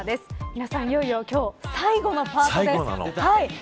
皆さん、いよいよ今日、最後のパートです。